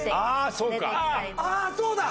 ああそうか！